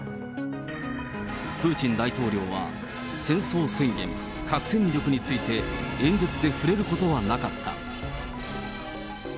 プーチン大統領は戦争宣言、核戦力について演説で触れることはなかった。